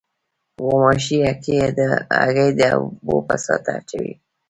غوماشې هګۍ د اوبو په سطحه اچوي.